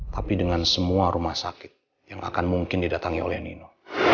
tapi dengan semua rumah sakit yang akan mungkin didatangi oleh nino